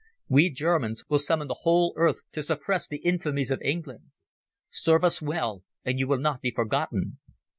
We Germans will summon the whole earth to suppress the infamies of England. Serve us well, and you will not be forgotten."